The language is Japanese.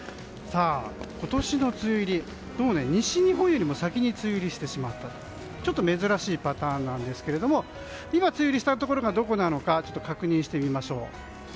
今年の梅雨入り、西日本よりも先に梅雨入りしてしまったというちょっと珍しいパターンですが梅雨入りしたところがどこなのか確認してみましょう。